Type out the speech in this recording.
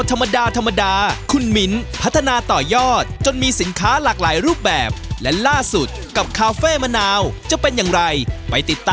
ถ้าผมเอาของไปวางแค่บนเชียวว่าคุณอาจจะไม่รู้